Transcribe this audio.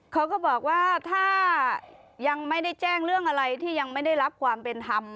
เขาก็บอกว่าถ้ายังไม่ได้แจ้งเรื่องอะไรที่ยังไม่ได้รับความเป็นธรรม